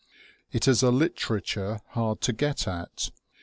It is a literature hard to get at.